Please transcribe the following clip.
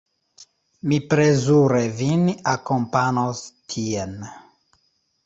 Mi plezure vin akompanos tien.